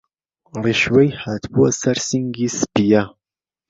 ڕيشوەى هاتبوه سەر سینگی سپییە